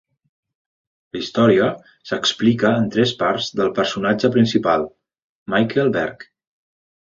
La història s'explica en tres parts pel personatge principal, Michael Berg.